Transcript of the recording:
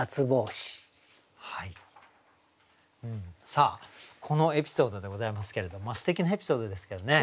さあこのエピソードでございますけれどもすてきなエピソードですけどね